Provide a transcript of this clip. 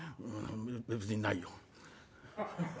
「うん別にないよ」。